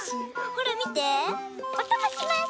ほらみておともします！